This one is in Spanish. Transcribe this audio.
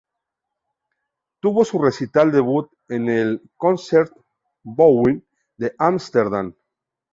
Tuvo su recital debut en el Concertgebouw de Amsterdam.